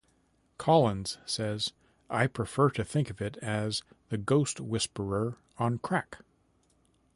Collins says, "I prefer to think of it as "The Ghost Whisperer" on crack.